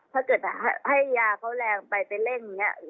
ถ้าเกิดให้ยาเขาแรงไปไปเร่งอย่างนี้